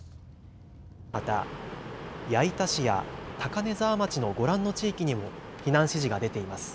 また、矢板市や高根沢町のご覧の地域にも避難指示が出ています。